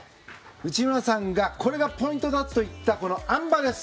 内村さんがこれがポイントだと言ったこのあん馬です。